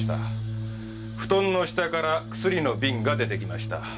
布団の下から薬の瓶が出てきました。